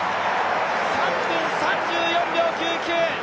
３分３４秒９９。